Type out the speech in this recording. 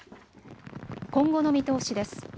今後の見通しです。